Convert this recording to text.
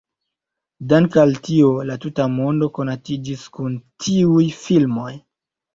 Dank' al tio la tuta mondo konatiĝis kun tiuj filmoj.